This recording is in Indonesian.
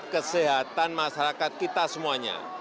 kesehatan masyarakat kita semuanya